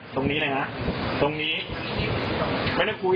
ตรงนี้นะฮะตรงนี้ไม่ต้องคุยไม่ต้องคุยแล้ว